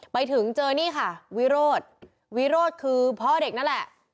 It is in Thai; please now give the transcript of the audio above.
ไปถึงเจอนี่ค่ะวิโรธวิโรธคือพ่อเด็กนั่นแหละ